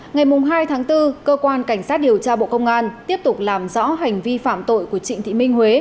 ngày hai tháng bốn cơ quan cảnh sát điều tra bộ công an tiếp tục làm rõ hành vi phạm tội của trịnh thị minh huế